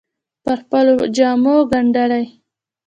پر خپلو جامو ګنډلې